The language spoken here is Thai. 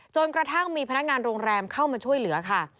จนกระทั่งมีพนักงานโรงแรมเข้ามาช่วยเหลือค่ะ